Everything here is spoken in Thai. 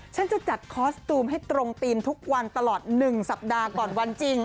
ฉันจะจัดคอสตูมให้ตรงธีมทุกวันตลอด๑สัปดาห์ก่อนวันจริง